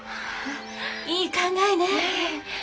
いい考えね。